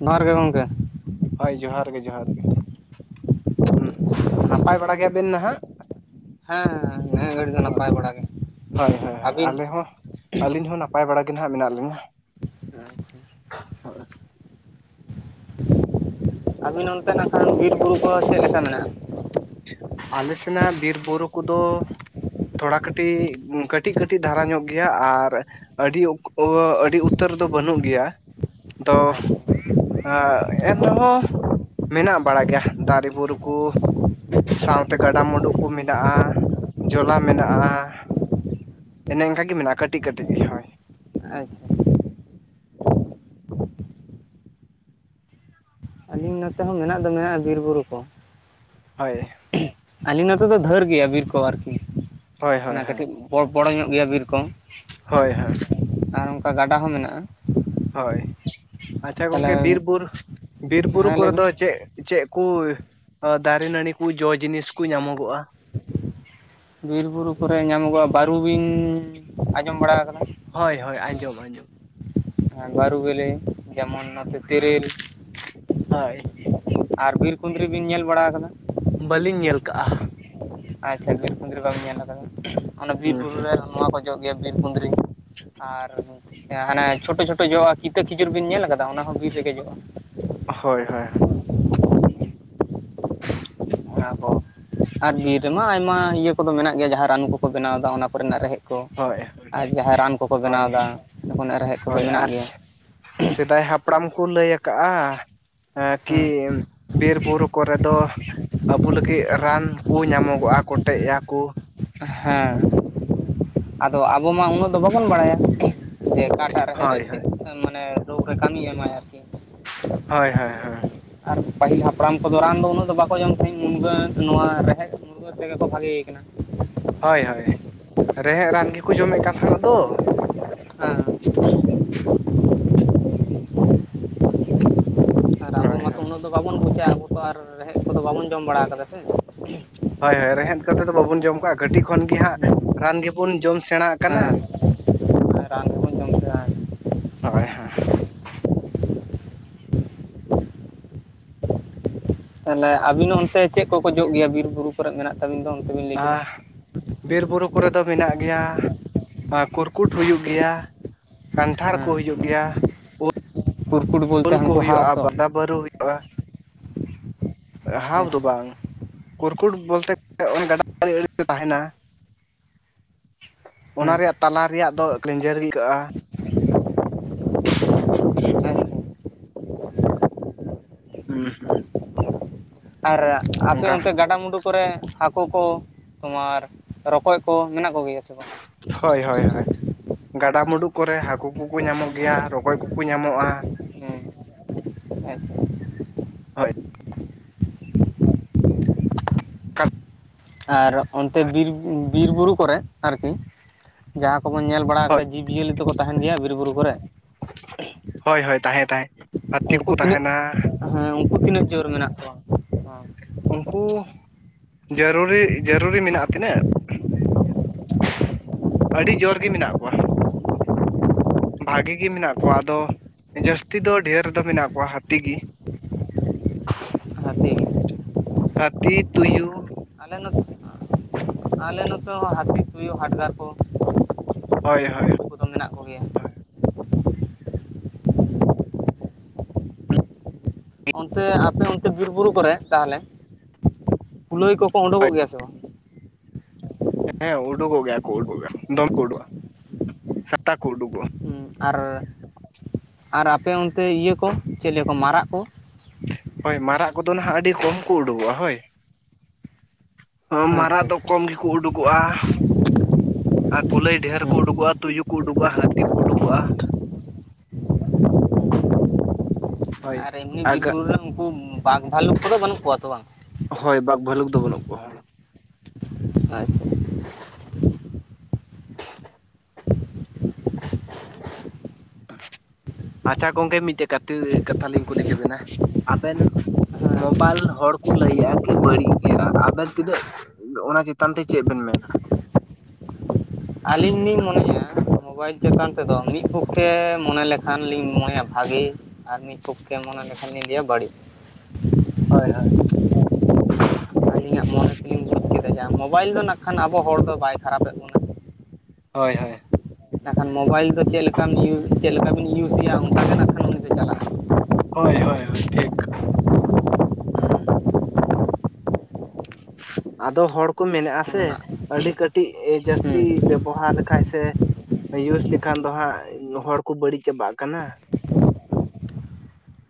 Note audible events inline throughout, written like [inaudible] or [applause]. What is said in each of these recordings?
ᱡᱚᱦᱟᱨ ᱜᱮ ᱜᱚᱝᱠᱮ ᱦᱚᱭ ᱡᱚᱦᱟᱨ ᱜᱮ ᱡᱚᱦᱟᱨ ᱜᱮ ᱱᱟᱯᱟᱭ ᱵᱟᱲᱟ ᱜᱮᱭᱟᱵᱮᱱ ᱱᱟᱦᱟᱜ ᱦᱮᱸ ᱱᱤᱭᱟᱹ ᱜᱷᱟᱹᱲᱤ ᱫᱚ ᱦᱚᱭ ᱱᱟᱯᱟᱭ ᱵᱟᱲᱟ ᱜᱮ ᱦᱚᱭ ᱦᱚᱭ ᱦᱚᱭ ᱟᱹᱵᱤᱱ ᱟᱞᱮ ᱦᱚᱸ ᱟᱹᱞᱤᱧ ᱦᱚᱸ ᱱᱟᱯ ᱱᱟᱯᱟᱭ ᱵᱟᱲᱟ ᱜᱮ ᱱᱟᱜ ᱢᱮᱱᱟᱜ ᱞᱤᱧᱟᱹ᱾ ᱟᱪᱪᱷᱟ ᱟᱵᱤᱱ ᱚᱱᱛᱮ ᱱᱟᱜ ᱠᱷᱟᱱ ᱵᱤᱨ ᱵᱩᱨᱩ ᱠᱚ ᱪᱮᱫᱞᱮᱠᱟ ᱢᱮᱱᱟᱜᱼᱟ? ᱟᱞᱮ ᱥᱮᱱᱟᱜ ᱵᱤᱨᱵᱩᱨᱩ ᱠᱚᱫᱚ ᱛᱷᱚᱲᱟ ᱠᱟᱹᱴᱤᱡ ᱠᱟᱹᱴᱤᱡ ᱠᱟᱹᱴᱤᱡ ᱫᱷᱟᱨᱟ ᱧᱚᱜ ᱜᱮᱭᱟ᱾ ᱟᱨ ᱟᱹᱰᱤ ᱟᱹᱰᱤ ᱩᱛᱟᱹᱨ ᱫᱚ ᱵᱟᱹᱱᱩᱜ ᱜᱮᱭᱟ᱾ ᱛᱚ ᱟᱪᱪᱷᱟ ᱟᱜ ᱮᱱᱨᱮᱦᱚᱸ ᱢᱮᱱᱟᱜ ᱵᱟᱲᱟ ᱜᱮᱭᱟ ᱫᱟᱨᱮ ᱵᱩᱨᱩ ᱠᱚ᱾ [inaudible] ᱥᱟᱶᱛᱮ ᱜᱟᱰᱟ ᱢᱩᱰᱩᱜ ᱠᱩ ᱢᱮᱱᱟᱜᱼᱟ, ᱡᱚᱞᱟ ᱢᱮᱱᱟᱜᱼᱟ᱾ ᱟᱪᱪᱷᱟ ᱮᱱᱮ ᱮᱱᱠᱟ ᱜᱮ ᱢᱮᱱᱟᱜᱼᱟ ᱠᱟᱹᱴᱤᱡ ᱠᱟᱹᱴᱤᱡ ᱜᱮ ᱦᱳᱭ᱾ ᱟᱪᱪᱷᱟ ᱤᱧ ᱱᱚᱛᱮ ᱦᱚᱸ ᱢᱮᱱᱟᱜ ᱫᱚ ᱢᱮᱱᱟᱜᱼᱟ ᱵᱤᱨ ᱵᱩᱨᱩ ᱠᱚ᱾ ᱦᱳᱭ ᱟᱹᱞᱤᱧ ᱱᱚᱛᱮ ᱫᱚ ᱫᱷᱟᱹᱨ ᱜᱮᱭᱟ ᱵᱤᱨ ᱠᱚ, ᱟᱨᱠᱤ ᱦᱳᱭ ᱦᱳᱭ ᱚᱱᱟ ᱠᱟᱹᱴᱤᱡ ᱵᱚᱲᱚ ᱧᱚᱜ ᱜᱮᱭᱟ ᱵᱤᱨ ᱠᱚ᱾ ᱦᱳᱭ ᱦᱳᱭ ᱟᱨ ᱚᱱᱠᱟ ᱜᱟᱰᱟ ᱦᱚᱸ ᱢᱮᱱᱟᱜᱼᱟ᱾ ᱦᱳᱭ ᱟᱪᱪᱷᱟ ᱜᱚᱝᱠᱮ ᱵᱤᱨ ᱛᱟᱦᱚᱞᱮ ᱵᱩᱨ ᱵᱤᱨ ᱵᱩᱨᱩ ᱦᱮᱸ ᱞᱟᱹᱭ ᱠᱚᱨᱮ ᱵᱤᱱ ᱫᱚ ᱪᱮᱫ ᱪᱮᱫ ᱠᱩ ᱫᱟᱨᱮ ᱱᱟᱹᱲᱤ ᱠᱩ ᱡᱚ ᱡᱤᱱᱤᱥ ᱠᱩ ᱧᱟᱢᱚᱜᱚᱜᱼᱟ᱾ ᱵᱤᱨ ᱵᱩᱨᱩ ᱠᱚᱨᱮ ᱧᱟᱢᱚᱜᱚᱜᱼᱟ ᱵᱟᱹᱨᱩ ᱵᱤᱱ ᱟᱸᱡᱚᱢ ᱵᱟᱲᱟ ᱠᱟᱫᱟ? ᱦᱳᱭ ᱦᱳᱭ ᱟᱸᱡᱚᱢ ᱟᱸᱡᱚᱢ᱾ ᱵᱟᱹᱨᱩ ᱵᱮᱞᱮ ᱡᱮᱢᱚᱱ ᱱᱚᱛᱮ ᱛᱮᱨᱮᱞ ᱦᱳᱭ ᱟᱨ ᱵᱤᱨ ᱠᱩᱸᱫᱽᱨᱤ ᱵᱤᱱ ᱧᱮᱞ ᱵᱟᱲᱟ ᱠᱟᱫᱟ ᱵᱟᱹᱞᱤᱧ ᱧᱮᱞ ᱠᱟᱜᱼᱟ ᱟᱪᱪᱷᱟ ᱵᱤᱨ ᱠᱩᱩᱸᱫᱽᱨᱤ ᱵᱟᱵᱤᱱ ᱧᱮᱞ ᱠᱟᱫᱟ ᱚᱱᱟ ᱦᱩᱸ ᱵᱤᱨᱵᱩᱨᱩ ᱦᱩᱸ ᱨᱮ ᱱᱚᱣᱟ ᱠᱚ ᱡᱚᱜ ᱜᱮᱭᱟ ᱵᱤᱨ ᱠᱩᱸᱫᱽᱨᱤ ᱟᱨ ᱦᱟᱱᱮ ᱪᱷᱳᱴᱳ ᱪᱷᱳᱴᱳ ᱡᱚᱜᱼᱟ ᱠᱤᱛᱟᱹ ᱠᱷᱤᱡᱩᱨ ᱵᱮᱤᱱ ᱧᱮᱞ ᱠᱟᱫᱟ ᱚᱱᱟ ᱦᱚᱸᱚᱸ ᱵᱤᱨ ᱨᱮᱜᱮᱡᱚᱜᱼᱟ ᱦᱳᱭ ᱦᱳᱭ ᱦᱳᱭ ᱚᱱᱟ ᱠᱚ ᱟᱨ ᱵᱤᱨ ᱨᱮᱢᱟ ᱟᱭᱢᱟ ᱤᱭᱟᱹ ᱠᱚᱫᱚ ᱢᱮᱱᱟᱜ ᱜᱮᱭᱟ ᱡᱟᱦᱟᱸ ᱨᱟᱱᱩ ᱠᱚᱠᱚ ᱵᱮᱱᱟᱣᱫᱟ ᱚᱱᱟ ᱠᱚᱨᱮᱱᱟᱜ ᱨᱮᱦᱮᱫ ᱦᱳᱭ ᱟᱨ ᱡᱟᱦᱟᱸᱭ ᱨᱟᱱ ᱠᱚᱠᱚ ᱦᱳᱭ ᱵᱮᱱᱟᱣᱫᱟ ᱚᱱᱟ ᱨᱮᱦᱮᱫ ᱠᱚᱫᱚ ᱦᱳᱭ ᱢᱮᱱᱟᱜ ᱟᱨ ᱜᱮᱭᱟ ᱥᱮᱫᱟᱭ ᱦᱟᱯᱲᱟᱢ ᱠᱚ ᱞᱟᱹᱭ ᱠᱟᱜᱼᱟ ᱠᱤ ᱦᱮᱸ ᱵᱤᱨ ᱵᱩᱨᱩ ᱠᱚᱨᱮ ᱫᱚ ᱟᱵᱩ ᱞᱟᱹᱜᱤᱫ ᱨᱟᱱ ᱠᱚ ᱧᱟᱢᱚᱜᱚᱜᱼᱟ ᱠᱚᱴᱮᱡ ᱟᱠᱩ ᱦᱮᱸ ᱟᱫᱚ ᱟᱵᱚ ᱢᱟ ᱩᱱᱟᱹᱜ ᱫᱚ ᱵᱟᱵᱚᱱ ᱵᱟᱲᱟᱭᱟ ᱡᱮ ᱚᱠᱟᱴᱟᱜ ᱨᱮᱦᱮᱫ ᱨᱮ ᱦᱳᱭ ᱪᱮᱫ ᱦᱳᱭ ᱢᱟᱱᱮ ᱨᱳᱜᱽ ᱨᱮ ᱠᱟᱹᱢᱤᱭ ᱮᱢᱟ ᱟᱨᱠᱤ ᱦᱳᱭ ᱦᱳᱭ ᱦᱳᱭ ᱟᱨ ᱯᱟᱹᱦᱤᱞ ᱦᱟᱯᱲᱟᱢ ᱠᱚᱫᱚ ᱨᱟᱱ ᱫᱚ ᱩᱱᱟᱹᱜ ᱫᱚ ᱵᱟᱠᱚ ᱡᱚᱢ ᱛᱟᱦᱮᱸᱫ ᱢᱩᱱᱜᱟᱹ ᱱᱚᱣᱟ ᱨᱮᱦᱮᱫ ᱵᱷᱟᱹᱜᱮ ᱠᱟᱱᱟ ᱦᱳᱭ ᱦᱳᱭ ᱨᱮᱦᱮᱫ ᱨᱟᱱ ᱜᱮᱠᱚ ᱡᱚᱢᱮᱫ ᱠᱟᱱ ᱛᱟᱦᱮᱱ ᱫᱚ [inaudible] [inaudible] ᱟᱨ ᱟᱵᱚ ᱦᱳᱭ ᱢᱟᱛᱚ ᱦᱳᱭ ᱩᱱᱟᱹᱜ ᱫᱚ ᱵᱟᱵᱚᱱ ᱵᱩᱡᱟ ᱟᱵᱚ ᱛᱚ ᱟᱨ ᱨᱮᱦᱮᱫ ᱠᱚᱫᱚ ᱵᱟᱵᱚᱱ ᱡᱚᱢ ᱵᱟᱲᱟ ᱠᱟᱫᱟ ᱥᱮ ᱦᱳᱭ ᱦᱳᱭ ᱨᱮᱦᱮᱫ ᱠᱟᱛᱮ ᱫᱚ ᱵᱟᱵᱚᱱ ᱡᱚᱢ ᱠᱟᱜᱼᱟ ᱠᱟᱹᱴᱤᱡ ᱠᱷᱚᱱ ᱜᱮ ᱦᱟᱸᱜ ᱨᱟᱱ ᱜᱮᱵᱚᱱ ᱡᱚᱢ ᱥᱮᱬᱟ ᱟᱠᱟᱱᱟ ᱦᱮᱸ ᱨᱟᱱ ᱜᱮᱵᱚᱱ ᱡᱚᱢ ᱠᱮᱫᱟ ᱦᱳᱭ ᱦᱮᱸ ᱛᱟᱦᱞᱮ ᱟᱹᱵᱤᱱ ᱦᱚᱸ ᱚᱱᱛᱮ ᱪᱮᱫ ᱠᱚᱠᱚ ᱡᱚᱜ ᱜᱮᱭᱟ ᱵᱤᱨ ᱵᱩᱨᱩ ᱠᱚᱨᱮ ᱢᱮᱱᱟᱜ ᱛᱟᱵᱤᱱ ᱫᱚ ᱚᱱᱛᱮ ᱵᱤᱱ ᱞᱟᱹᱭ ᱠᱮᱫᱟ ᱟᱨ ᱵᱤᱨ ᱵᱩᱨᱩ ᱠᱚᱨᱮ ᱫᱚ ᱢᱮᱱᱟᱜ ᱜᱮᱭᱟ ᱠᱩᱨᱠᱩᱴ ᱦᱩᱭᱩᱜ ᱜᱮᱭᱟ ᱠᱟᱱᱴᱷᱟᱲ ᱠᱚ ᱦᱮᱸ ᱦᱤᱡᱩᱜ ᱜᱮᱭᱟ [unintelligible] ᱩᱩᱞ ᱠᱚ ᱦᱟᱣ ᱦᱩᱭᱩᱜᱼᱟ ᱛᱚ ᱵᱟᱸᱫᱟ ᱵᱟᱹᱨᱩ ᱦᱩᱭᱩᱜᱼᱟ ᱦᱟᱣ ᱫᱚ ᱟᱪᱪᱷᱟ ᱵᱟᱝ ᱠᱩᱨᱠᱩᱴ ᱵᱚᱞᱛᱮ ᱚᱱᱮ ᱜᱟᱰᱟ ᱟᱲᱮ ᱟᱲᱮᱛᱮ ᱛᱟᱦᱮᱱᱟ ᱚᱱᱟ ᱦᱮᱸ ᱨᱮᱭᱟᱜ ᱛᱟᱞᱟ ᱨᱮᱭᱟᱜ ᱫᱚ ᱞᱮᱸᱡᱮᱨ ᱜᱮ ᱟᱹᱭᱠᱟᱹᱜᱼᱟ ᱟᱪᱪᱷᱟ ᱦᱩᱸ ᱦᱩᱸ ᱟᱨ ᱟᱯᱮ ᱚᱱᱠᱟ ᱚᱱᱛᱮ ᱜᱟᱰᱟ ᱢᱩᱸᱰᱩ ᱠᱚᱨᱮ ᱦᱟᱹᱠᱩ ᱠᱚ ᱛᱳᱢᱟᱨ ᱨᱚᱠᱚᱡ ᱠᱚ ᱢᱮᱱᱟᱜ ᱠᱚᱜᱮᱭᱟ ᱥᱮ ᱵᱟᱝ ᱦᱳᱭ ᱦᱳᱭ ᱦᱳᱭ ᱜᱟᱰᱟ ᱢᱩᱸᱰᱩ ᱠᱚᱨᱮ ᱦᱟᱹᱠᱩ ᱠᱩᱠᱩ ᱧᱟᱢᱚᱜ ᱜᱮᱭᱟ ᱨᱚᱠᱚᱡ ᱠᱚᱠᱚ ᱧᱟᱢᱚᱜᱼᱟ ᱦᱮᱸ ᱟᱪᱪᱷᱟ ᱦᱳᱭ ᱟᱨ ᱚᱱᱛᱮ ᱵᱤᱨ ᱵᱤᱨᱵᱩᱨᱩ ᱠᱚᱨᱮᱫ ᱟᱨᱠᱤ ᱡᱟᱦᱟᱸ ᱠᱚᱵᱚᱱ ᱧᱮᱞ ᱵᱟᱲᱟ ᱠᱟᱫᱟ ᱡᱤᱵᱽᱼ ᱡᱤᱭᱟᱹᱞᱤ ᱫᱚᱠᱚ ᱛᱟᱦᱮᱱ ᱜᱮᱭᱟ ᱵᱤᱨ ᱵᱩᱨᱩ ᱠᱚᱨᱮ ᱦᱳᱭ ᱦᱳᱭ ᱛᱟᱦᱮᱸ ᱛᱟᱦᱮᱸ ᱦᱟᱹᱛᱤ ᱩᱱᱠᱩ ᱠᱚᱠᱚ ᱛᱤᱱᱟᱹᱜ ᱛᱟᱦᱮᱱᱟ ᱦᱮᱸ ᱩᱱᱠᱩ ᱛᱤᱱᱟᱹᱜ ᱡᱳᱨ ᱢᱮᱱᱟᱜ ᱠᱚᱣᱟ ᱩᱱᱠᱩ ᱡᱟᱹᱨᱩᱨᱤ ᱡᱟᱹᱨᱩᱨᱤ ᱢᱮᱱᱟᱜᱼᱟ ᱛᱤᱱᱟᱹᱜ ᱟᱹᱰᱤ ᱡᱳᱨ ᱜᱮ ᱢᱮᱱᱟᱜ ᱠᱚᱣᱟ ᱵᱷᱟᱜᱮ ᱜᱮ ᱢᱮᱱᱟᱜ ᱠᱚᱣᱟ ᱟᱫᱚ ᱡᱟᱹᱥᱛᱤ ᱫᱚ ᱰᱷᱮᱨ ᱫᱚ ᱢᱮᱱᱟᱜ ᱠᱚᱣᱟ ᱦᱟᱹᱛᱤᱜᱮ ᱦᱟᱹᱛᱤ ᱦᱟᱹᱛᱤ ᱛᱩᱭᱩ ᱟᱞᱮ ᱱᱚᱛᱮ ᱟᱞᱮ ᱱᱚᱛᱮ ᱦᱚᱸ ᱦᱟᱹᱛᱤ ᱛᱩᱭᱩ ᱦᱟᱰᱜᱟᱨ ᱠᱚ ᱦᱳᱭ ᱦᱳᱭ ᱩᱱᱠᱩ ᱦᱚ ᱢᱮᱱᱟᱜ ᱠᱚᱜᱮᱭᱟ ᱚᱱᱛᱮ ᱟᱯᱮ ᱚᱱᱛᱮ ᱵᱤᱨ ᱵᱩᱨᱩ ᱠᱚᱨᱮ ᱛᱟᱦᱚᱞᱮ ᱠᱩᱞᱟᱹᱭ ᱠᱚᱠᱚ ᱩᱰᱩᱠᱚᱜ ᱜᱮᱭᱟ ᱥᱮ ᱵᱟᱝ ᱦᱮᱸ ᱩᱰᱩᱜᱚᱜ ᱜᱮᱭᱟ ᱠᱚ ᱩᱰᱩᱜ ᱦᱚ ᱫᱚᱢᱮ ᱠᱚ ᱩᱰᱩᱜ ᱥᱮᱛᱟᱜ ᱠᱚ ᱩᱰᱩᱜᱠᱚᱜᱼᱟ ᱦᱩᱸ ᱟᱨ ᱟᱨ ᱟᱯᱮ ᱚᱱᱛᱮ ᱤᱭᱟᱹ ᱠᱚ ᱪᱮᱫ ᱞᱮᱠᱟ ᱢᱟᱨᱟᱜ ᱠᱚ ᱦᱳᱭ ᱢᱟᱨᱟᱜ ᱠᱚᱫᱚ ᱱᱟᱦᱟᱜ ᱟᱹᱰᱤ ᱠᱚᱢ ᱠᱚ ᱩᱰᱩᱠᱚᱜᱼᱟ ᱦᱳᱭ ᱟᱪᱪᱷᱟ ᱢᱟᱨᱟᱜ ᱫᱚ ᱟᱪᱪᱷᱟ ᱠᱚᱢ ᱜᱮᱠᱚ ᱩᱰᱩᱠᱚᱜᱼᱟ ᱟᱨ ᱠᱩᱞᱟᱹᱭ ᱰᱮᱦᱮᱨ ᱠᱚ ᱦᱮᱸ ᱩᱰᱩᱠᱚᱜᱼᱟ ᱛᱩᱭᱩ ᱠᱚ ᱩᱰᱩᱠᱚᱜᱼᱟ ᱦᱟᱹᱛᱤ ᱠᱚ ᱩᱰᱩᱠᱚᱜᱼᱟ [unintelligible] ᱦᱳᱭ ᱟᱨ ᱮᱢᱱᱤ ᱵᱤᱨ ᱟᱜ ᱵᱩᱨᱩ ᱨᱮ ᱩᱱᱠᱩ ᱵᱟᱜ ᱵᱷᱟᱞᱩᱠ ᱠᱚᱫᱚ ᱵᱟᱹᱱᱩᱜ ᱠᱚᱣᱟ ᱛᱚ ᱵᱟᱝ ᱦᱳᱭ ᱵᱟᱜ ᱵᱷᱟᱹᱞᱩᱠ ᱫᱚ ᱵᱟᱹᱱᱩᱜ ᱠᱚᱣᱟ ᱟᱪᱪᱷᱟ ᱟᱪᱪᱷᱟ ᱜᱚᱢᱠᱮ ᱢᱤᱫᱴᱮᱡ ᱠᱟᱛᱮ ᱠᱟᱛᱷᱟ ᱞᱤᱧ ᱠᱩᱞᱤ ᱠᱮᱵᱤᱱᱟ ᱟᱵᱮᱱ ᱦᱮᱸ ᱢᱳᱵᱟᱭᱤᱞ ᱦᱚᱲ ᱠᱚ ᱞᱟᱹᱭᱮᱜᱼᱟ ᱠᱤ ᱵᱟᱹᱲᱤᱡ ᱜᱮᱭᱟ ᱟᱵᱮᱱ ᱛᱤᱱᱟᱹᱜ ᱚᱱᱟ ᱪᱮᱛᱟᱱ ᱛᱮ ᱪᱮᱫ ᱵᱤᱱ ᱢᱮᱱᱟ ᱟᱞᱤᱧ ᱞᱤᱧ ᱢᱚᱱᱮᱭᱟ ᱟᱹᱞᱤᱧ ᱪᱮᱛᱟᱱ ᱛᱮᱫᱚ ᱢᱤᱫ ᱯᱚᱠᱠᱷᱮ ᱢᱚᱱᱮ ᱞᱮᱠᱷᱟᱱ ᱞᱤᱧ ᱢᱚᱱᱮᱭᱟ ᱵᱷᱟᱜᱤ ᱟᱨ ᱢᱤᱫ ᱯᱷᱚᱠᱠᱮ ᱢᱚᱱᱮ ᱞᱮᱠᱷᱟᱱᱞᱤᱧ ᱞᱟᱹᱭᱟ ᱵᱟᱹᱲᱤᱡ ᱦᱳᱭ ᱦᱳᱭ ᱟᱹᱞᱤᱧᱟᱜ ᱢᱚᱱᱮ ᱛᱮᱞᱤᱧ ᱵᱩᱡ ᱠᱮᱫᱟ ᱡᱟ ᱢᱳᱵᱟᱭᱤᱞ ᱱᱟᱜ ᱠᱷᱟᱱ ᱟᱵᱚ ᱦᱚᱲ ᱫᱚ ᱵᱟᱭ ᱠᱷᱟᱨᱟᱯᱮᱫ ᱵᱚᱱᱟ ᱦᱳᱭ ᱦᱳᱭ ᱤᱱᱠᱷᱟᱱ ᱢᱳᱵᱟᱭᱤᱞ ᱫᱚ ᱪᱮᱫ ᱞᱮᱠᱟᱢ ᱪᱮᱫ ᱞᱮᱠᱟᱵᱤᱱ ᱤᱭᱩᱥᱮᱭᱟ ᱚᱱᱠᱟᱜᱮ ᱱᱟᱜᱟ ᱠᱷᱟᱱ ᱩᱱᱤ ᱫᱚ ᱪᱟᱞᱟᱜᱼᱟ ᱦᱳᱭ ᱦᱳᱭ ᱦᱳᱭ ᱴᱷᱤᱠ ᱟᱫᱚ ᱦᱚᱲ ᱠᱚ ᱢᱮᱱᱮᱜᱼᱟ ᱥᱮ ᱚᱱᱟ ᱟᱹᱰᱤ ᱠᱟᱹᱴᱤᱡ ᱦᱩᱸ ᱡᱟᱹᱥᱛᱤ ᱵᱮᱵᱚᱦᱟᱨ ᱞᱮᱠᱷᱟᱡ ᱥᱮ ᱤᱭᱩᱡᱽ ᱞᱮᱠᱷᱟᱱ ᱫᱚ ᱦᱟᱸᱜ ᱦᱚᱲ ᱠᱚ ᱵᱟᱹᱲᱤᱡ ᱪᱟᱵᱟᱜ ᱠᱟᱱᱟ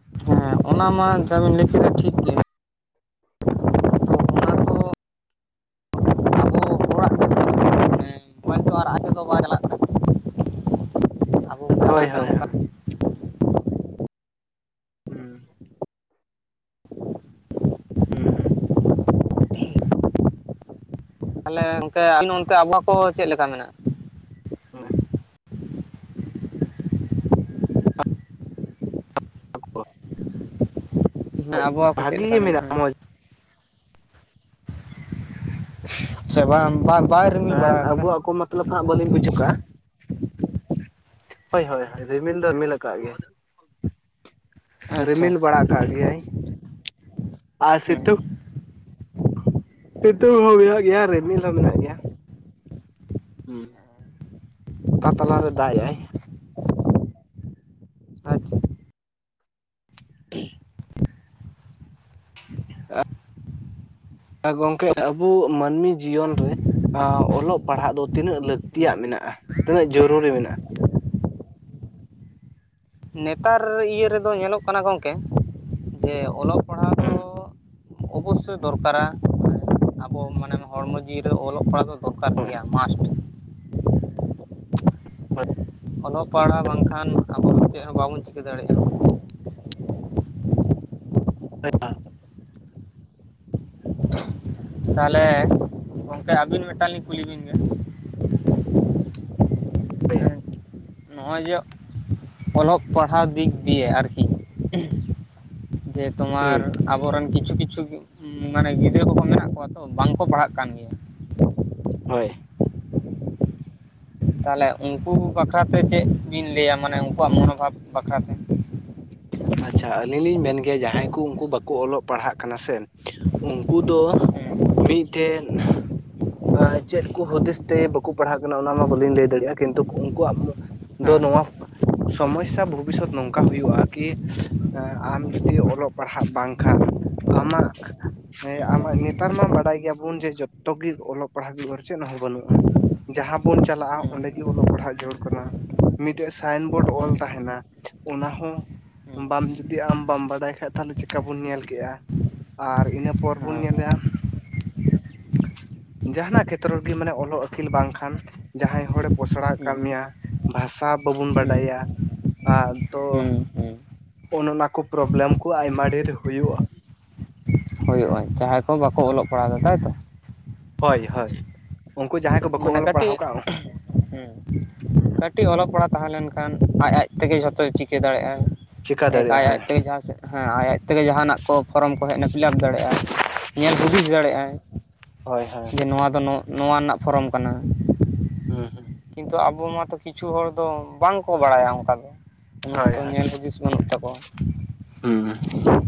ᱦᱮᱸ ᱚᱱᱟ ᱢᱟ ᱡᱟ ᱵᱤᱱ ᱞᱟᱹᱭ ᱠᱮᱫᱟ ᱴᱷᱤᱠ ᱜᱮ ᱛᱚ ᱚᱱᱟ ᱫᱚ [inaudible] [unintelligible] ᱟᱵᱚ ᱪᱟᱞᱟᱣ ᱦᱳᱭ ᱠᱟᱱᱟ ᱦᱳᱭ ᱦᱳᱭ ᱚᱱᱠᱟ ᱦᱩᱸ ᱦᱩᱸ ᱦᱩᱸ ᱛᱟᱦᱚᱞᱮ ᱜᱚᱢᱠᱮ ᱟᱵᱚᱦᱟᱸᱠᱚ ᱪᱮᱫ ᱞᱮᱠᱟ ᱢᱮᱱᱟᱜᱼᱟ ᱦᱮᱸ ᱦᱮᱸ ᱦᱳᱭ ᱟᱵᱚᱦᱟᱠᱚ ᱪᱮᱫ ᱵᱷᱟᱜᱤ ᱞᱮᱠᱟ ᱜᱮ ᱢᱮᱱᱟᱜᱼᱟ ᱢᱚᱸᱡᱽ ᱥᱮ ᱵᱟᱝ ᱵᱟᱭ ᱨᱤᱢᱤᱞ ᱵᱟᱲᱟ ᱟᱠᱟᱫᱟ [unintelligible] ᱵᱟᱝᱞᱤᱧ ᱵᱩᱡ ᱠᱟᱜᱼᱟ ᱦᱳᱭ ᱦᱳᱭ ᱨᱤᱢᱤᱞ ᱫᱚ ᱨᱤᱢᱤᱞ ᱟᱠᱟᱜ ᱜᱮᱭᱟ ᱟᱪᱪᱷᱟ ᱨᱤᱢᱤᱞ ᱟᱪᱪᱷᱟ ᱵᱟᱲᱟ ᱠᱟᱜᱽ ᱜᱮᱭᱟᱭ ᱟᱨ ᱦᱮᱸ ᱥᱤᱛᱩᱝ ᱥᱤᱛᱩᱝ ᱦᱚᱸ ᱢᱮᱱᱟᱜ ᱜᱮᱭᱟ ᱨᱤᱢᱤᱞ ᱦᱚᱸ ᱢᱮᱱᱟᱜ ᱜᱮᱭᱟ ᱦᱩᱸ ᱛᱟ ᱛᱟᱞᱟ ᱨᱮ ᱫᱟᱜ ᱟᱭᱟᱭ ᱟᱪᱪᱷᱟ ᱜᱚᱢᱠᱮ ᱟᱵᱚ ᱢᱟᱹᱱᱢᱤ ᱡᱤᱭᱚᱱ ᱨᱮ ᱚᱞᱚᱜ ᱯᱟᱲᱦᱟᱜ ᱫᱚ ᱛᱤᱱᱟᱹᱜ ᱞᱟᱹᱠᱛᱤᱭᱟᱜ ᱦᱮᱸ ᱢᱮᱱᱟᱜᱼᱟ ᱛᱤᱱᱟᱹᱜ ᱡᱚᱨᱩᱨᱤ ᱢᱮᱱᱟᱜᱼᱟ ᱱᱮᱛᱟᱨ ᱤᱭᱟᱹ ᱨᱮᱫᱚ ᱧᱮᱞᱚᱜ ᱠᱟᱱᱟ ᱜᱚᱢᱠᱮ ᱡᱮ ᱚᱞᱚᱜ ᱯᱟᱲᱦᱟᱣ ᱫᱚ ᱦᱩᱸ ᱚᱵᱚᱥᱥᱳᱭ ᱫᱚᱨᱠᱟᱨᱟ ᱟᱵᱚ ᱢᱟᱱᱮ ᱦᱚᱲᱢᱚ ᱡᱤᱣᱤ ᱨᱮ ᱚᱞᱚᱜ ᱯᱟᱲᱦᱟᱜ ᱫᱚ ᱫᱚᱨᱠᱟᱨ ᱜᱮᱭᱟ ᱢᱟᱥᱴ ᱚᱞᱚᱜ ᱯᱟᱲᱦᱟᱜ ᱵᱟᱝᱠᱷᱟᱱ ᱟᱵᱚ ᱫᱚ ᱪᱮᱫ ᱦᱚᱸ ᱵᱟᱵᱚᱱ ᱪᱤᱠᱟᱹ ᱫᱟᱲᱮᱭᱟᱜᱼᱟ᱾ ᱦ [unintelligible] ᱛᱟᱦᱮᱞᱮ ᱜᱚᱝᱠᱮ ᱟᱹᱵᱤᱱ ᱢᱤᱫᱴᱟᱝ ᱞᱤᱧ ᱠᱩᱞᱤ ᱵᱤᱱ ᱜᱮ ᱦᱳᱭ ᱱᱚᱜᱼᱚᱭ ᱡᱮ ᱚᱞᱚᱜ ᱯᱟᱲᱦᱟᱣ ᱫᱤᱠ ᱫᱤᱭᱮ ᱟᱨᱠᱤ ᱡᱮ ᱛᱳᱢᱟᱨ ᱦᱩᱸ ᱟᱵᱚᱨᱮᱱ ᱠᱤᱪᱷᱩ ᱠᱤᱪᱷᱩ ᱢᱟᱱᱮ ᱜᱤᱫᱽᱨᱟᱹ ᱠᱚᱠᱚ ᱢᱮᱱᱟᱜ ᱠᱚᱣᱟ ᱛᱚ ᱵᱟᱝᱠᱚ ᱯᱟᱲᱦᱟᱜ ᱠᱟᱱ ᱜᱮᱭᱟ ᱦᱳᱭ ᱛᱟᱦᱚᱞᱮ ᱩᱱᱠᱩ ᱵᱟᱠᱷᱨᱟᱛᱮ ᱪᱮᱫ ᱵᱤᱱ ᱞᱟᱹᱭᱟ ᱢᱟᱱᱮ ᱩᱱᱠᱩᱣᱟᱜ ᱢᱚᱱᱳᱵᱷᱟᱵ ᱵᱟᱠᱷᱨᱟᱛᱮ ᱟᱪᱪᱷᱟ ᱟᱹᱞᱤᱧ ᱞᱤᱧ ᱢᱮᱱ ᱜᱮᱭᱟ ᱡᱟᱦᱟᱸᱭ ᱠᱚ ᱩᱱᱠᱩ ᱵᱟᱠᱚ ᱚᱞᱚᱜ ᱯᱟᱲᱦᱟᱜ ᱠᱟᱱᱟ ᱥᱮ ᱩᱱᱠᱩ ᱫᱚ ᱢᱤᱫᱴᱮᱱ ᱪᱮᱫ ᱠᱚ ᱦᱩᱫᱤᱥ ᱛᱮ ᱵᱟᱠᱚ ᱯᱟᱲᱦᱟᱜ ᱠᱟᱱᱟ ᱚᱱᱟ ᱢᱟ ᱵᱟᱹᱞᱤᱧ ᱞᱟᱹᱭ ᱫᱟᱲᱮᱭᱟᱜᱼᱟ ᱠᱤᱱᱛᱩ ᱩᱱᱠᱩᱣᱟᱜ ᱫᱚ ᱱᱚᱣᱟ ᱥᱚᱢᱚᱥᱟ ᱵᱷᱚᱵᱤᱥᱚᱛ ᱱᱚᱝᱠᱟ ᱦᱩᱭᱩᱜ-ᱟ ᱠᱤ ᱟᱢ ᱡᱩᱫᱤ ᱚᱞᱚᱜ ᱯᱟᱲᱦᱟᱜ ᱵᱟᱝᱠᱷᱟᱱ ᱟᱢᱟᱜ ᱦᱮᱸ ᱟᱢᱟᱜ ᱱᱮᱛᱟᱨ ᱢᱟ ᱵᱟᱰᱟᱭ ᱜᱮᱭᱟᱵᱚᱱ ᱡᱮ ᱡᱚᱛᱚ ᱜᱮ ᱚᱞᱚᱜ ᱯᱟᱲᱦᱟᱜ ᱦᱩᱭᱩᱜ ᱟᱨ ᱪᱮᱫ ᱦᱚᱸ ᱵᱟᱹᱱᱩᱜᱼᱟ ᱡᱟᱦᱟᱸ ᱵᱚᱱ ᱪᱟᱞᱟᱜᱼᱟ ᱚᱸᱰᱮᱜᱮ ᱚᱞᱚᱜ ᱯᱟᱲᱦᱟᱜ ᱡᱩᱲ ᱠᱟᱱᱟ ᱢᱤᱫᱴᱮᱱ ᱥᱟᱭᱤᱱᱵᱳᱨᱰ ᱚᱞ ᱛᱟᱦᱮᱱᱟ ᱚᱱᱟ ᱦᱚᱸ ᱵᱟᱢ ᱡᱩᱫᱤ ᱟᱢ ᱵᱟᱢ ᱵᱟᱰᱟᱭ ᱠᱷᱟᱡ ᱛᱟᱦᱚᱞᱮ ᱪᱤᱠᱟ ᱵᱚᱱ ᱧᱮᱞ ᱠᱮᱜ-ᱟ᱾ ᱟᱨ ᱤᱱᱟᱹ ᱯᱚᱨ ᱵᱚᱱ ᱧᱮᱞᱟ ᱡᱟᱦᱟᱱᱟᱜ ᱠᱷᱮᱛᱨᱚ ᱨᱮᱜᱮ ᱢᱟᱱᱮ ᱚᱞᱚᱜ ᱟᱹᱠᱤᱞ ᱵᱟᱝᱠᱷᱟᱱ ᱡᱟᱦᱟᱸᱭ ᱦᱚᱲᱮ ᱯᱚᱥᱲᱟᱣ ᱠᱟᱫ ᱢᱮᱭᱟ ᱵᱷᱟᱥᱟ ᱵᱟᱵᱚᱱ ᱵᱟᱰᱟᱭᱟ ᱟᱨ ᱛᱚ ᱦᱮᱸ ᱚᱱ ᱚᱱᱟ ᱠᱚ ᱯᱨᱚᱵᱞᱮᱢ ᱠᱚ ᱟᱭᱢᱟ ᱰᱷᱮᱨᱳᱼᱟ ᱦᱩᱭᱩᱜᱼᱼᱟ ᱡᱟᱦᱟᱸᱭ ᱠᱚ ᱵᱟᱠᱚ ᱚᱞᱚᱜ ᱯᱟᱲᱦᱟᱣᱫᱟ ᱛᱟᱭᱛᱚ ᱦᱳᱭ ᱦᱳᱭ ᱩᱱᱠᱩ ᱡᱟᱦᱟᱸᱭ ᱠᱚ ᱵᱟᱠᱚ ᱢᱟᱱᱮ ᱚᱞ ᱯᱟᱲᱦᱟᱣ ᱠᱟᱹᱴᱤᱡ ᱠᱟᱜ ᱠᱟᱹᱴᱤᱡ ᱚᱞᱚᱜ ᱯᱟᱲᱦᱟᱜ ᱛᱟᱦᱮᱸ ᱞᱮᱱᱠᱷᱟᱱ ᱟᱡ ᱟᱡᱛᱮᱜᱮ ᱡᱷᱚᱛᱚᱭ ᱪᱤᱠᱟᱹ ᱫᱟᱲᱮᱭᱟᱜᱼᱟ ᱪᱤᱠᱟ ᱮ ᱟᱡ ᱫᱟᱲᱮᱭᱟᱜᱼᱟ ᱦᱳᱭ ᱟᱡᱛᱮᱜᱮ ᱡᱟᱦᱟᱸ ᱥᱮᱫ ᱦᱮᱸ ᱟᱡ ᱟᱡ ᱛᱮᱜᱮ ᱡᱟᱦᱟᱱᱟᱜ ᱠᱚ ᱯᱷᱚᱨᱚᱢ ᱠᱚ ᱦᱮᱡ ᱮᱱᱟ ᱯᱷᱤᱞᱟᱯ ᱫᱟᱲᱮᱭᱟᱜᱼ ᱟᱭ ᱧᱮᱞ ᱦᱩᱫᱤᱥ ᱫᱟᱲᱮᱜᱼ ᱟᱭ ᱦᱳᱭ ᱦᱳᱭ᱾ ᱡᱮ ᱱᱚᱣᱟ ᱫᱚ ᱱᱚᱣᱟ ᱨᱮᱱᱟᱜ ᱯᱷᱚᱨᱚᱢ ᱠᱟᱱᱟ ᱦᱮᱸ ᱦᱮᱸ ᱠᱤᱱᱛᱩ ᱟᱵᱚ ᱢᱟᱛᱚ ᱠᱤᱪᱷᱩ ᱦᱚᱲ ᱫᱚ ᱵᱟᱝᱠᱚ ᱵᱟᱲᱟᱭᱟ ᱚᱱᱠᱟ ᱫᱚ ᱩᱹᱜ ᱦᱳᱭ ᱛᱚ ᱦᱳᱭ ᱧᱮᱞ ᱦᱩᱫᱤᱥ ᱵᱟᱹᱱᱩᱜ ᱛᱟᱠᱚᱣᱟ ᱦᱩᱸ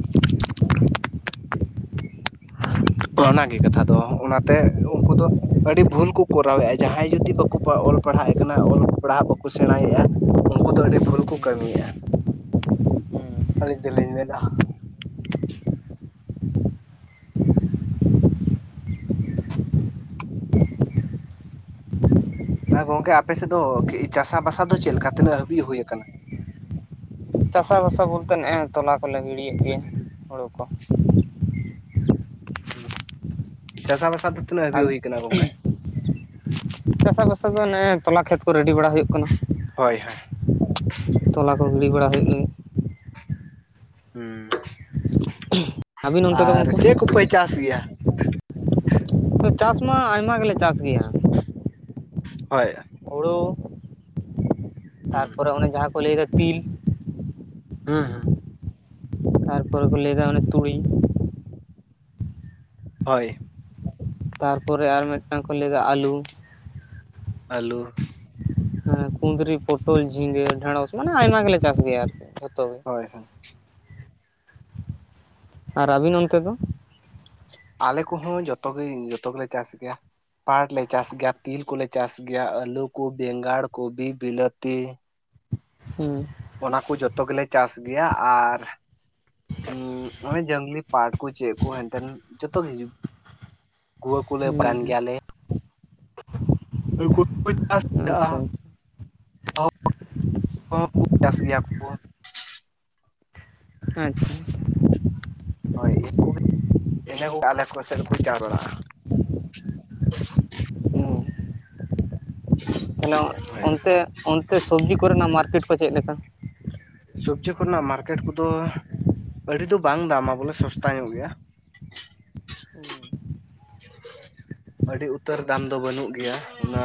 ᱛᱚ ᱜᱮ ᱠᱟᱛᱷᱟ ᱫᱚ ᱚᱱᱟᱛᱮ ᱩᱱᱠᱩ ᱫᱚ ᱟᱹᱰᱤ ᱵᱷᱩᱞ ᱠᱚ ᱠᱚᱨᱟᱣᱮᱫᱼᱟ ᱡᱟᱦᱟᱸᱭ ᱡᱩᱫᱤ ᱵᱟᱠᱚ ᱚᱞ ᱯᱟᱲᱦᱟᱜᱮᱫ ᱠᱟᱱᱟ ᱚᱞ ᱯᱟᱲᱦᱟᱜ ᱵᱟᱠᱚ ᱥᱮᱬᱟᱭᱮᱫᱼᱟ ᱩᱱᱠᱩ ᱫᱚ ᱟᱹᱰᱤ ᱵᱷᱩᱞ ᱠᱚ ᱠᱟᱹᱢᱤᱭᱮᱫᱼᱟ ᱟᱹᱞᱤᱧ ᱫᱚᱞᱤᱧ ᱢᱮᱱᱟ ᱦᱮᱸ ᱜᱚᱝᱠᱮ ᱟᱯᱮᱥᱮᱫ ᱫᱚ ᱪᱟᱥᱟ ᱵᱟᱥᱟ ᱫᱚ ᱪᱮᱫ ᱞᱮᱠᱟ ᱛᱤᱱᱟᱹᱜ ᱦᱟᱹᱵᱤᱡ ᱦᱩᱭᱩᱭ-ᱟ ᱟᱠᱟᱱᱟ ᱪᱟᱥᱟᱵᱟᱥᱟ ᱵᱚᱞᱛᱮ ᱱᱮᱜᱼᱮ ᱛᱚᱞᱟ ᱠᱚᱞᱮ ᱜᱤᱲᱤᱭᱮᱫ ᱜᱮ ᱦᱩᱲᱩ ᱠᱚ ᱪᱟᱥ ᱵᱟᱥ ᱟ ᱪᱟᱥᱟᱵᱟᱥ ᱫᱚ ᱚᱱᱮ ᱛᱚᱞᱟ ᱠᱷᱮᱛ ᱠᱚ ᱨᱮᱰᱤ ᱵᱟᱲᱟ ᱦᱩᱭᱩᱜ ᱠᱟᱱᱟ ᱦᱳᱭ ᱦᱳᱭ ᱛᱚᱞᱟ ᱠᱚ ᱜᱤᱲᱤ ᱵᱟᱲᱟ ᱦᱩᱭᱩᱜ ᱞᱟᱹᱜᱤᱫ ᱦᱩᱸ ᱦ [unintelligible] ᱟᱨ ᱪᱮᱫ ᱠᱚᱯᱮ ᱪᱟᱥ ᱜᱮᱭᱟ ᱪᱟᱥᱢᱟ ᱟᱭᱢᱟ ᱜᱮᱞᱮ ᱪᱟᱥ ᱜᱮᱭᱟ ᱦᱳᱭ ᱦᱩᱲᱩ ᱦᱩᱸ ᱛᱟᱨᱯᱚᱨᱮ ᱚᱱᱮ ᱡᱟᱦᱟᱸ ᱠᱚ ᱞᱟᱹᱭᱮᱫᱟ ᱛᱤᱞ ᱦᱮᱸ ᱦᱮᱸ ᱛᱟᱨᱯᱚᱨᱮ ᱠᱚ ᱞᱟᱹᱭᱟ ᱚᱱᱮ ᱛᱩᱲᱤ ᱦᱳᱭ ᱛᱟᱨᱯᱚᱨᱮ ᱟᱨ ᱢᱤᱫᱴᱟᱝ ᱠᱚ ᱞᱟᱹᱭᱟ ᱟᱞᱩ ᱟᱹᱞᱩ ᱦᱮᱸ ᱠᱩᱸᱫᱽᱨᱤ ᱯᱚᱴᱚᱞ ᱡᱷᱤᱸᱜᱟᱹ ᱰᱷᱮᱸᱲᱚᱥ ᱢᱟᱱᱮ ᱟᱭᱢᱟ ᱜᱮᱞᱮ ᱪᱟᱥ ᱜᱮᱭᱟ ᱟᱨᱠᱤ ᱡᱷᱚᱛᱚ ᱜᱮ ᱦᱳᱭ ᱦᱳᱭ ᱟᱨ ᱟᱹᱵᱤᱱ ᱚᱱᱛᱮ ᱫᱚ? ᱟᱞᱮ ᱠᱚᱦᱚᱸ ᱡᱚᱛᱚᱜᱮ ᱡᱚᱛᱚ ᱜᱮᱞᱮ ᱪᱟᱥ ᱜᱮᱭᱟ ᱯᱟᱴ ᱞᱮ ᱪᱟᱥ ᱜᱮᱭᱟ ᱛᱤᱞ ᱠᱚᱞᱮ ᱪᱟᱥ ᱜᱮᱭᱟ ᱟᱹᱞᱩ ᱠᱚ ᱵᱮᱸᱜᱟᱲ ᱠᱚ ᱵᱤᱞᱟᱹᱛᱤ ᱦᱩ ᱚᱱᱟ ᱠᱚ ᱡᱚᱛᱚ ᱜᱮᱞᱮ ᱪᱟᱥ ᱜᱮᱭᱟ ᱟᱨ ᱜᱚᱭ ᱡᱟᱝᱞᱤ ᱯᱟᱴ ᱠᱚ ᱪᱮᱫ ᱠᱚ ᱦᱮᱱᱛᱮᱱ ᱡᱚᱛᱚᱜ ᱜᱮ ᱦᱤᱡᱩᱜ ᱜᱩᱣᱟᱹ ᱠᱚᱞᱮ ᱦᱩᱸ ᱵᱟᱱ ᱜᱮᱭᱟᱞᱮ ᱪ ᱦᱩᱸ ᱟᱪᱪᱷᱟ [unintelligible] ᱚ [unintelligible] ᱠᱚᱦ ᱠᱚ ᱪᱟᱥ ᱜᱮᱭᱟ ᱠᱚ ᱟᱪᱪᱷᱟ ᱦᱳᱭ ᱤᱱᱟᱹ ᱠᱚ ᱟᱞᱮ ᱠᱚ ᱥᱮᱫ ᱨᱮᱠᱚ ᱪᱟᱣ ᱵᱟᱲᱟᱜᱼᱟ ᱾ ᱦᱩ ᱛᱟᱦᱚᱞᱮ ᱦᱳᱭ ᱚᱱᱛᱮ ᱚᱱᱛᱮ ᱥᱚᱵᱡᱤ ᱠᱚᱨᱮᱱᱟᱜ ᱢᱟᱨᱠᱮᱴ ᱠᱚ ᱪᱮᱫ ᱞᱮᱠᱟ? ᱥᱚᱵᱡᱤ ᱠᱚᱨᱮᱱᱟᱜ ᱢᱟᱨᱠᱮᱴ ᱠᱚᱫᱚ ᱟᱹᱰᱤ ᱫᱚ ᱵᱟᱝ ᱫᱟᱢᱟ ᱵᱚᱞᱮ ᱥᱚᱥᱛᱟ ᱧᱚᱜ ᱜᱮᱭᱟ ᱾ ᱦᱩ ᱟᱹᱰᱤ ᱩᱛᱟᱹᱨ ᱫᱟᱢ ᱫᱚ ᱵᱟᱹᱱᱩᱜ ᱜᱮᱭᱟ ᱚᱱᱟ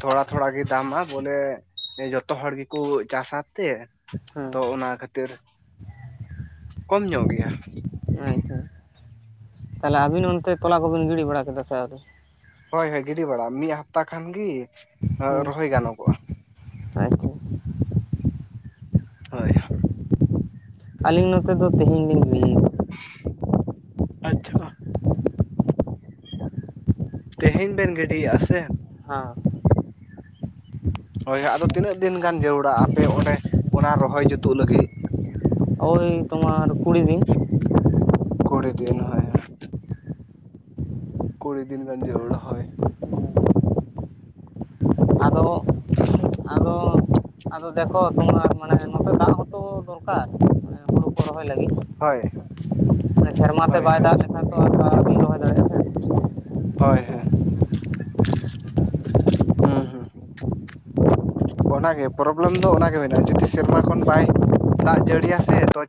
ᱛᱷᱚᱲᱟ ᱛᱷᱚᱲᱟ ᱜᱮ ᱫᱟᱢᱟ ᱵᱚᱞᱮ ᱡᱚᱛᱚ ᱦᱚᱲ ᱜᱮᱠᱚ ᱪᱟᱥᱟ ᱛᱮ ᱦᱮ ᱛᱚ ᱚᱱᱟ ᱠᱷᱟᱹᱛᱤᱨ ᱠᱚᱢ ᱧᱚᱜ ᱜᱮᱭᱟ ᱟᱪᱪᱷᱟ ᱛᱟᱦᱚᱞᱮ ᱟᱹᱵᱤᱱ ᱚᱱᱛᱮ ᱛᱚᱞᱟ ᱠᱚᱵᱤᱱ ᱜᱤᱰᱤ ᱵᱟᱲᱟ ᱠᱮᱫᱟ ᱥᱮ ᱟᱣᱨᱤ ᱦᱳᱭ ᱦᱳᱭ ᱜᱤᱰᱤ ᱵᱟᱲᱟᱜ ᱢᱤᱫ ᱦᱟᱯᱛᱟ ᱠᱷᱟᱱᱜᱤ ᱦᱩᱸ ᱨᱚᱦᱚᱭ ᱜᱟᱱᱚᱜᱚᱜᱼᱟ ᱾ ᱟᱪᱪᱷᱟ ᱟᱪᱪᱷᱟ ᱦᱳᱭ ᱟᱹᱞᱤᱧ ᱱᱚᱛᱮ ᱫᱚ ᱛᱮᱦᱮᱧ ᱞᱤᱧ ᱜᱤᱲᱤ ᱟᱠᱟᱫᱟ ᱟᱪᱪᱷᱟ ᱛᱮᱦᱮᱧ ᱵᱮᱱ ᱜᱤᱰᱤᱭᱮᱫᱼᱟ ᱥᱮ ᱦᱟᱸ ᱦᱳᱭ ᱟᱫᱚ ᱛᱤᱱᱟᱹᱜ ᱫᱤᱱ ᱜᱟᱱ ᱡᱟᱹᱨᱩᱲᱟ ᱟᱯᱮ ᱚᱸᱰᱮ ᱚᱱᱟ ᱨᱚᱦᱚᱭ ᱡᱩᱛᱩᱜ ᱞᱟᱹᱜᱤᱫ? ᱳᱭ ᱛᱳᱢᱟᱨ ᱠᱩᱲᱤ ᱫᱤᱱ ᱾ ᱠᱩᱲᱤ ᱫᱮᱱ ᱦᱳᱭ ᱦᱳᱭ ᱠᱩᱲᱤ ᱫᱤᱱ ᱜᱟᱱ ᱡᱮᱲᱩᱲᱟ ᱦᱳᱭ ᱟᱫᱚ ᱟᱫᱚ ᱟᱫᱚ ᱫᱮᱠᱷᱚ ᱛᱳᱢᱟᱨ ᱢᱟᱱᱮ ᱱᱚᱛᱮ ᱫᱟᱜ ᱦᱚᱸᱛᱚ ᱫᱚᱨᱠᱟᱨ ᱦᱩᱲᱩ ᱠᱚ ᱨᱚᱦᱚᱭ ᱞᱟᱹᱜᱤᱫ ᱦᱳᱭ ᱥᱮᱨᱢᱟ ᱛᱮ ᱦᱳᱭ ᱵᱟᱭ ᱦᱳᱭ ᱫᱟᱜ ᱞᱮᱠᱷᱟᱱ ᱛᱚ ᱵᱟᱸᱧ ᱨᱚᱦᱚᱭ ᱫᱟᱲᱮᱭᱟᱜᱼᱟ ᱾ ᱦᱳᱭ ᱦᱳᱭ ᱦᱩᱸ ᱦᱩᱸ ᱚᱱᱟᱜᱮ ᱯᱨᱚᱵᱞᱮᱢ ᱫᱚ ᱚᱱᱟᱜᱮ ᱢᱮᱱᱟᱜᱼᱟ ᱡᱩᱫᱤ ᱥᱮᱨᱢᱟ ᱠᱷᱚᱱ ᱵᱟᱭ ᱫᱟᱜ ᱡᱟᱹᱲᱤᱭᱟ ᱥᱮ